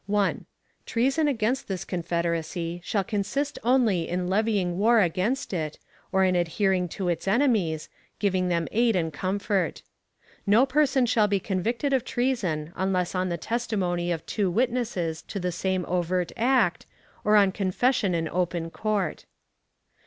Treason against this Confederacy shall consist only in levying war against it, or in adhering to its enemies, giving them aid and comfort. No person shall be convicted of treason unless on the testimony of two witnesses to the same overt act, or on confession in open court.